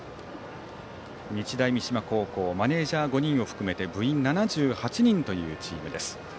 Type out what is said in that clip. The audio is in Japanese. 日大三島高校マネージャー５人を含めて部員７８人というチームです。